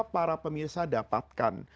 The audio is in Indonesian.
para pemirsa dapatkan